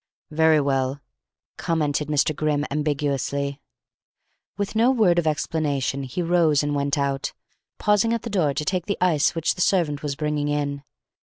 "Very well!" commented Mr. Grimm ambiguously. With no word of explanation, he rose and went out, pausing at the door to take the ice which the servant was bringing in.